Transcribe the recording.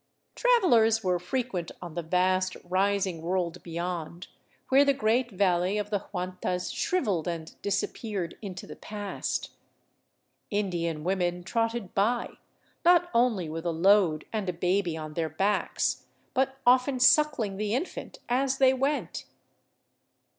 Travelers were frequent on the vast, rising world beyond, where the great valley of the Huantas shrivelled and disappeared into the past. Indian women trotted by, not only with a load and a baby on their backs, but often suckling the infant as they went.